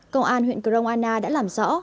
công an huyện cromana đã làm rõ